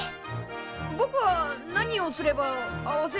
ぼくは何をすれば合わせる力が。